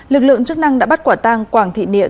lực lượng chức năng đã bắt quả tang quảng thị niện